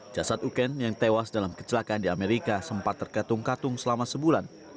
jasad uken yang tewas dalam kecelakaan di amerika sempat terkatung katung selama sebulan